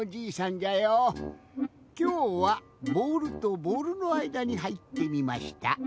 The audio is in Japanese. きょうはボールとボールのあいだにはいってみました。